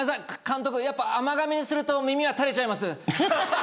やっぱ甘がみにすると耳が垂れちゃいます。